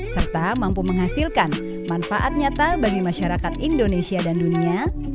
serta mampu menghasilkan manfaat nyata bagi masyarakat indonesia dan dunia